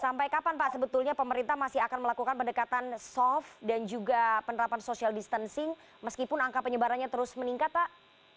sampai kapan pak sebetulnya pemerintah masih akan melakukan pendekatan soft dan juga penerapan social distancing meskipun angka penyebarannya terus meningkat pak